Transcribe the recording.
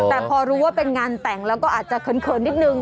แต่พอรู้ว่าเป็นงานแต่งแล้วก็อาจจะเขินนิดนึง